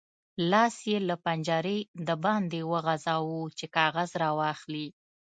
لاس یې له پنجرې د باندې وغځاوو چې کاغذ راواخلي.